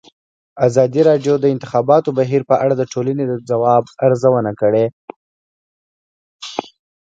ازادي راډیو د د انتخاباتو بهیر په اړه د ټولنې د ځواب ارزونه کړې.